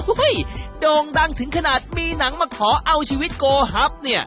โด่งดังถึงขนาดมีหนังมาขอเอาชีวิตโกฮับเนี่ย